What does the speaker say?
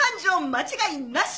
間違いなし！